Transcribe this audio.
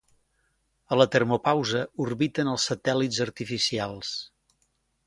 A la termopausa orbiten els satèl·lits artificials.